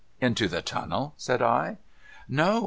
* Into the tunnel ?' said I. ' No.